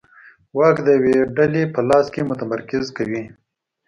واک د یوې ډلې په لاس کې متمرکز کوي.